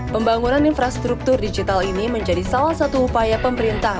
pembangunan infrastruktur digital ini menjadi salah satu upaya pemerintah